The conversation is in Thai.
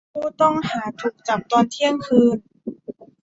ผู้ต้องหาถูกจับตอนเที่ยงคืน